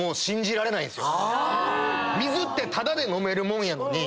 水ってタダで飲めるもんやのに。